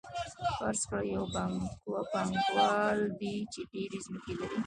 فرض کړئ یو پانګوال دی چې ډېرې ځمکې لري